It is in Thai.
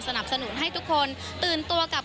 สนับสนุนให้ทุกคนตื่นตัวกับ